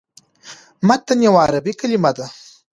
متن یوه عربي کلمه ده.